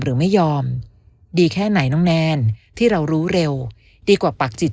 หรือไม่ยอมดีแค่ไหนน้องแนนที่เรารู้เร็วดีกว่าปากจิต